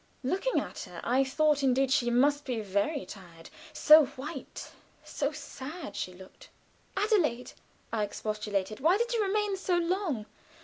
Looking at her, I thought indeed she must be very tired, so white, so sad she looked. "Adelaide," I expostulated, "why did you remain so long?"